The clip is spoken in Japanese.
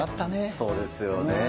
そうですよね。